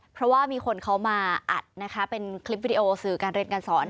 เพราะว่ามีคนเขามาอัดนะคะเป็นคลิปวิดีโอสื่อการเรียนการสอน